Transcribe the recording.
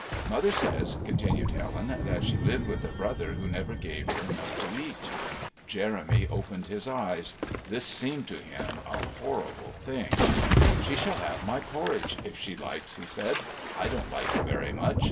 "Mother says," continued Helen, "that she lived with a brother who never gave her enough to eat." Jeremy opened his eyes. This seemed to him a horrible thing. "She shall have my porridge, if she likes," he said; "I don't like it very much.